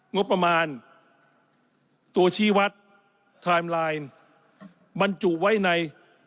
งบประมาณตัวชี้วัดไทม์ไลน์บรรจุไว้ใน